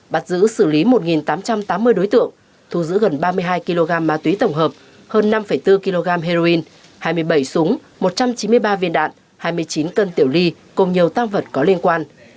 bắt giữ xử lý một tám trăm tám mươi đối tượng thu giữ gần ba mươi hai kg ma túy tổng hợp hơn năm bốn kg heroin hai mươi bảy súng một trăm chín mươi ba viên đạn hai mươi chín cân tiểu ly cùng nhiều tam vật có liên quan